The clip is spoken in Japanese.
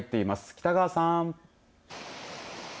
北川さん。